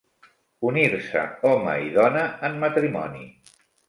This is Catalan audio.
Unir-se home i dona en matrimoni.